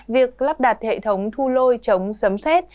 việc lắp đặt hệ thống thu lôi chống sấm xét